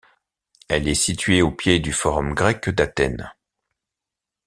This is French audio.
Elle est située au pied du forum grec d'Athènes.